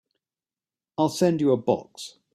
I'll send you a box.